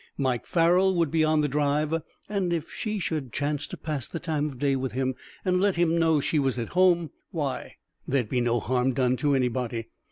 Mike Farrell would be on the drive, and if she should chance to pass the time o' day with him, and let him know she was at home why, there'd be no harm done to anybody.